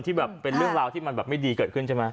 ที่แบบเป็นเรื่องราวที่มันแบบไม่ดีเกิดขึ้นใช่ไหม